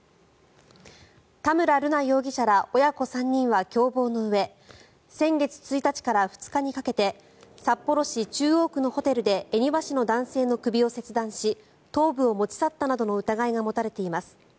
田村瑠奈容疑者ら親子３人は共謀のうえ先月１日から２日にかけて札幌市中央区のホテルで恵庭市の男性の首を切断し頭部を持ち去ったなどの疑いが持たれています。